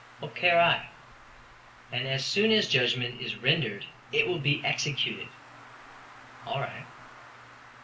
"What care I." "And as soon as judgment is rendered it will be executed." "All right."